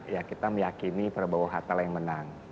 ya kita meyakini prabowo hatta lah yang menang